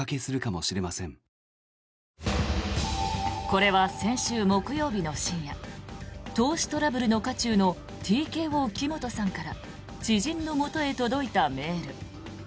これは、先週木曜日の深夜投資トラブルの渦中のＴＫＯ、木本さんから知人のもとへ届いたメール。